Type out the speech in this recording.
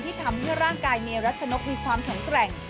ที่ทำให้ร่างกายเมย์รัชโนกมีความทั้งแกร่ง